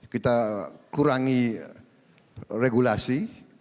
kita kurangi regulasi